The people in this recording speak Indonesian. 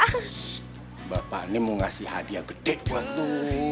shh bapak ini mau ngasih hadiah gede buat lo